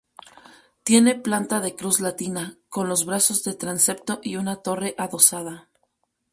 Tiene planta de cruz latina, con los brazos del transepto y una torre adosada.